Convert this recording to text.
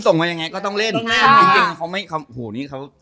ถ้าว่างผมก็จะไปเล่นที่ศนาเราโทรไปเล่น